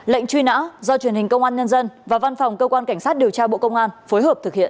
lệnh truy nã do truyền hình công an nhân dân và văn phòng cơ quan cảnh sát điều tra bộ công an phối hợp thực hiện